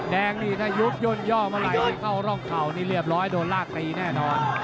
แดงนี่ถ้ายุบย่นย่อเมื่อไหร่เข้าร่องเข่านี่เรียบร้อยโดนลากตีแน่นอน